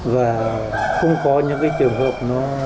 và không có những trường hợp